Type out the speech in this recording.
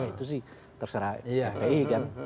itu sih terserah fpi kan